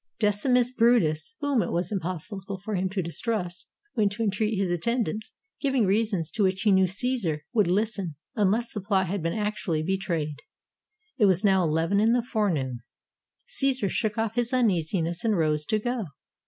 Decimus Brutus, whom it was impossible for him to distrust, went to entreat his attend ance, giving reasons to which he knew Caesar would listen, unless the plot had been actually betrayed. It was now eleven in the forenoon. Caesar shook off his uneasiness and rose to go.